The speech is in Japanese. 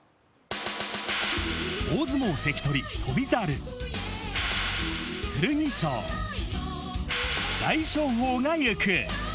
大相撲関取・翔猿、剣翔、大翔鵬が行く。